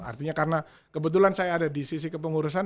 artinya karena kebetulan saya ada di sisi kepengurusan